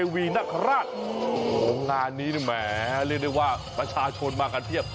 นี่นะแมวเรียกได้ว่าประชาชนมากันเที่ยว